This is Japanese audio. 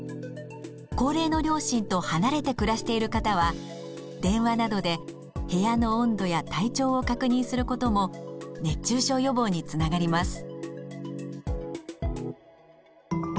高齢の両親と離れて暮らしている方は電話などで部屋の温度や体調を確認することも熱中症予防につながります。